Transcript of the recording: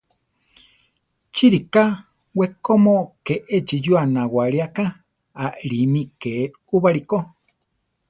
¿Chi ríka, wekómo ke échi yúa nawáli aká, aʼlími ké úbali ko?